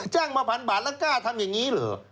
มาพันบาทแล้วกล้าทำอย่างนี้เหรอ